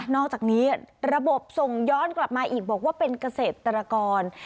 อกจากนี้ระบบส่งย้อนกลับมาอีกบอกว่าเป็นเกษตรกร